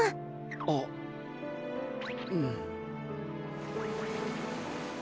あっうん。